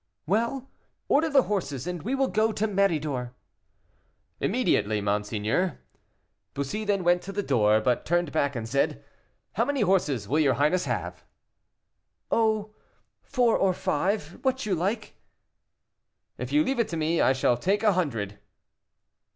"Well! order the horses, and we will go to Méridor." "Immediately, monseigneur." Bussy then went to the door, but turned back and said, "How many horses will your highness have?" "Oh, four or five, what you like." "If you leave it to me, I shall take a hundred."